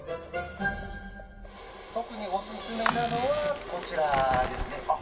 特におすすめなのはこちらですね。